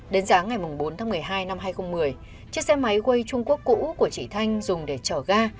đến sáng ngày bốn tháng một mươi hai năm hai nghìn một mươi chiếc xe máy way trung quốc cũ của chị thanh dùng để chở ga